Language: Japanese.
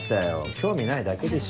興味ないだけでしょ。